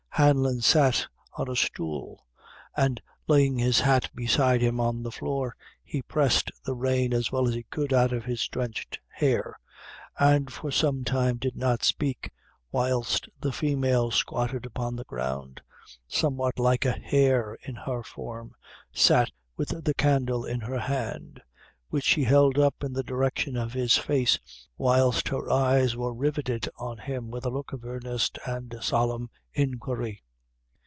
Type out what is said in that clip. Hanlon sat on a stool, and laying his hat beside him on the floor, he pressed the rain as well as he could out of his drenched hair, and for some time did not speak, whilst the female, squatted upon the ground, somewhat like a hare in her form, sat with the candle in her hand, which she held up in the direction of his face, whilst her eyes were riveted on him with a look of earnest and solemn inquiry.